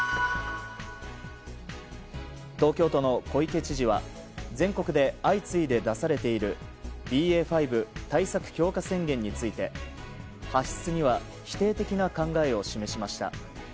東京都の小池知事は全国で相次いで出されているＢＡ．５対策強化宣言について発出には否定的な考えを示しました。